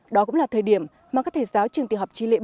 đó cũng là thời điểm mà các thầy giáo trường tiểu học chi lễ bốn đi tìm